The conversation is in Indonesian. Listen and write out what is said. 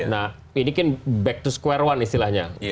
nah ini kan back to square one istilahnya